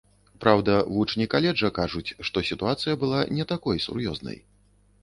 Праўда, вучні каледжа кажуць, што сітуацыя была не такой сур'ёзнай.